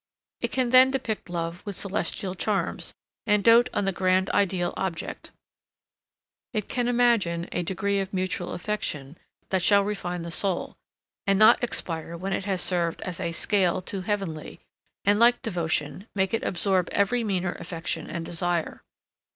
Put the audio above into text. It can then depict love with celestial charms, and dote on the grand ideal object; it can imagine a degree of mutual affection that shall refine the soul, and not expire when it has served as a "scale to heavenly;" and, like devotion, make it absorb every meaner affection and desire.